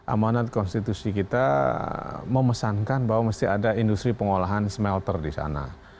amanat konstitusi kita memesankan bahwa mesti ada industri pengolahan smelter di sana